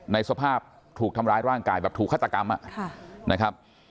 ในสภาพถูกทำร้ายร่างกายแบบถูกฆาตกรรมนะครับ